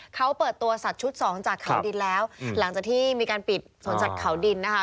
เขาเปิดตัวสัตว์ชุดสองจากเขาดินแล้วหลังจากที่มีการปิดสวนสัตว์เขาดินนะคะ